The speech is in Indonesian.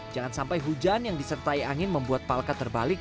jangan sampai hujan yang disertai angin membuat palka terbalik